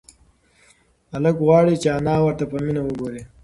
هلک غواړي چې انا ورته په مینه وگوري.